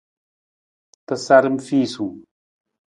Tasaram fiisung.